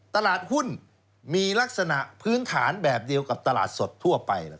ตลาดหุ้นมีลักษณะพื้นฐานแบบเดียวกับตลาดสดทั่วไป